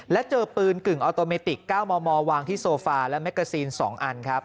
และเจอปืนกึ่งออโตเมติก๙มมวางที่โซฟาและแมกกาซีน๒อันครับ